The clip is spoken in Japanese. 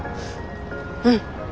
うん。